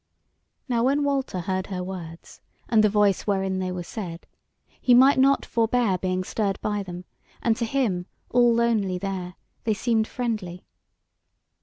Now when Walter heard her words and the voice wherein they were said, he might not forbear being stirred by them, and to him, all lonely there, they seemed friendly.